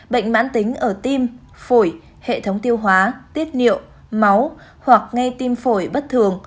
bệnh mãn tính ở tim phổi hệ thống tiêu hóa tiết niệu máu hoặc nghe tim phổi bất thường